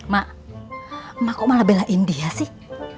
mak mak kok malah bela india sih